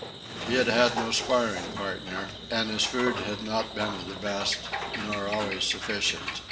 He had had no sparring partner, and his food had not been of the best nor always sufficient.